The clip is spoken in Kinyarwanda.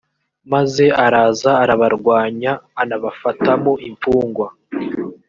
maze araza arabarwanya, anabafatamo imfungwa.